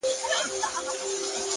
پرمختګ د پرلهپسې سمون نتیجه ده.